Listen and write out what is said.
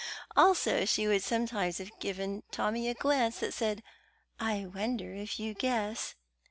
Also she would sometimes have given Tommy a glance that said, "I wonder if you guess."